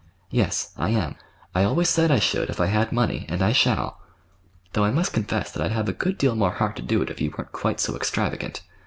"Yes, I am. I always said I should, if I had money, and I shall—though I must confess that I'd have a good deal more heart to do it if you weren't quite so extravagant.